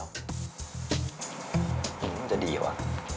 มันจะดีหรอ